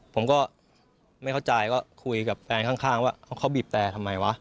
ผมก็ไม่เข้าใจก็คุยกับแฟนข้างว่าเขาบีบแต่ทำไมวะ